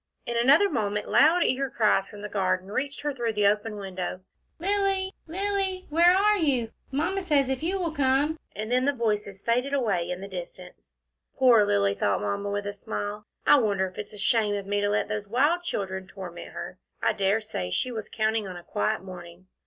In another moment loud eager cries from the garden reached her through the open window. "Lilly, Lilly, where are you? Mamma says if you will come " and then the voices faded away in the distance. "Poor Lilly," thought Mamma, with a smile. "I wonder if it's a shame of me to let those wild children torment her. I dare say she was counting on a quiet morning."